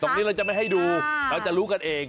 ตรงนี้เราจะไม่ให้ดูเราจะรู้กันเอง